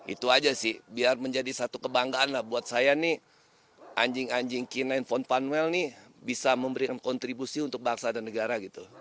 itu aja sih biar menjadi satu kebanggaan lah buat saya nih anjing anjing ki sembilan phone panel ini bisa memberikan kontribusi untuk bangsa dan negara gitu